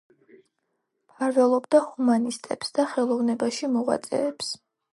მფარველობდა ჰუმანისტებს და ხელოვნებაში მოღვაწეებს.